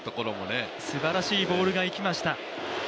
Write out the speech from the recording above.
すばらしいボールがいきました。